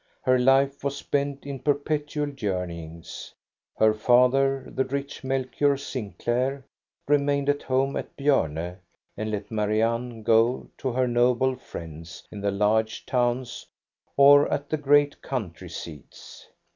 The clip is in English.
Her life was spent in perpetual journeyings. Her father, the rich Melchior Sinclair, remained at home at Bjorne and let Marianne go to her noble friends in the large towns or at the great country seats.